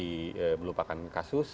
yang terbukti merupakan kasus